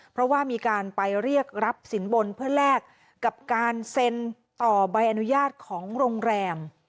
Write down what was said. เพราะว่ามีการไปเรียกรับสินบนเพื่อแลกกับการเซ็นต่อใบอนุญาตของโรงแรม